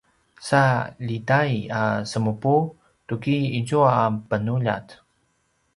sa ljitai a semupu tuki izua a penuljat?